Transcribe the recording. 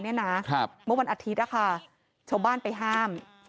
เมื่อวันอาทิตย์ชาวบ้านไปห้าม